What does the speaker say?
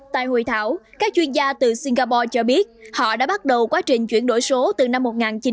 tại hội thảo các chuyên gia từ singapore cho biết họ đã bắt đầu quá trình chuyển đổi số từ năm một nghìn chín trăm chín mươi